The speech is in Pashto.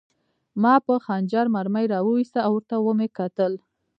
ما په خنجر مرمۍ را وویسته او ورته مې وکتل